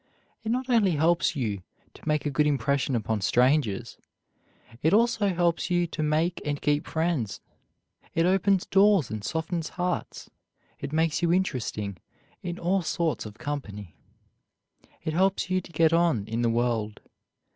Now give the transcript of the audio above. It not only helps you to make a good impression upon strangers, it also helps you to make and keep friends. It opens doors and softens hearts. It makes you interesting in all sorts of company. It helps you to get on in the world.